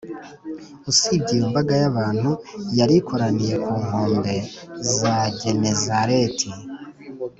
usibye iyo mbaga y’abantu yari ikoraniye ku nkombe za genezareti